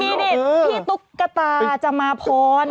พี่ตุ๊กกะตาจะมาพ้น